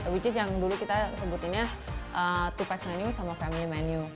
which is yang dulu kita sebutinnya to pach menu sama family menu